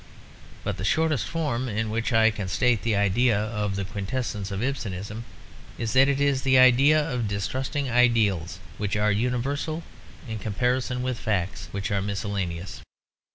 But the shortest form in which I can state the idea of The Quintessence of Ibsenism is that it is the idea of distrusting ideals, which are universal, in comparison with facts, which are miscellaneous.